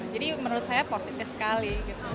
jadi menurut saya positif sekali